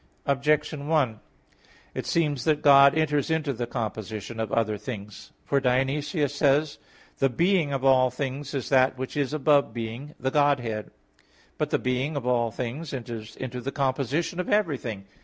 Objection 1: It seems that God enters into the composition of other things, for Dionysius says (Coel. Hier. iv): "The being of all things is that which is above being the Godhead." But the being of all things enters into the composition of everything.